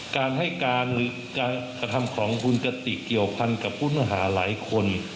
การให้การหรือการกระทำของคุณกติกเกี่ยวพันกับผู้ต้องหาหลายคน